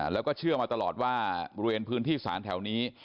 แล้วก็เชื่อมาตลอดว่าบริเวณพื้นที่ศาลแถวนี้